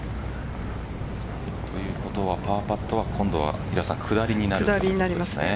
ということはパーパットは今度は下りになるんですね。